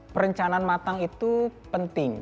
perencanaan matang itu penting